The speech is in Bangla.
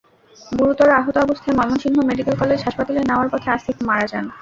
গুরুতর আহত অবস্থায় ময়মনসিংহ মেডিকেল কলেজ হাসপাতালে নেওয়ার পথে আসিফ মারা যান।